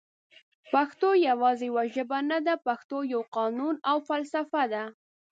پښتو یواځي یوه ژبه نده پښتو یو قانون او فلسفه ده